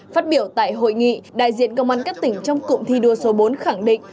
phát biểu tại hội nghị đại diện công an các tỉnh trong cụm thi đua số bốn khẳng định